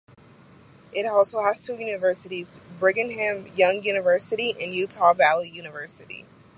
It also has two universities: Brigham Young University and Utah Valley University.